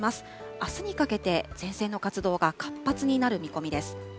あすにかけて、前線の活動が活発になる見込みです。